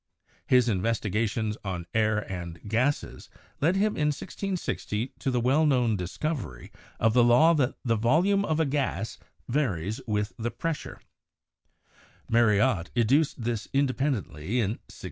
His investigations on air and gases led him in 1660 to the well known discovery of the law that "the volume of a gas varies with the pressure" (Marriotte educed this inde pendently in 1677).